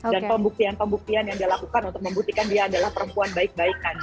dan pembuktian pembuktian yang dia lakukan untuk membuktikan dia adalah perempuan baik baik tadi